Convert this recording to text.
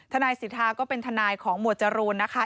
ทนายสิทธาก็เป็นทนายของหมวดจรูนนะคะ